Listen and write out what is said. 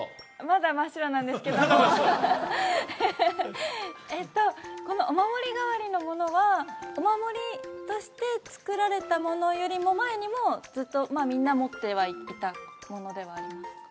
まだ真っ白なんですけどもこのお守り代わりのものはお守りとして作られたものよりも前にもずっとみんな持ってはいたものではありますか？